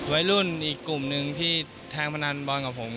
วัยรุ่นอีกกลุ่มหนึ่งที่แทงพนันบอลกับผม